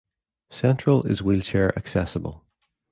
Central is wheelchair accessible.